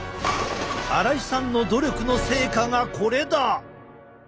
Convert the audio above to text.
荒井さんの努力の成果がこれだ！